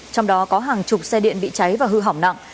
trong đó có hàng chục xe điện bị cháy và hư hỏng nặng